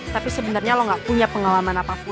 tapi sebenarnya lo gak punya pengalaman apapun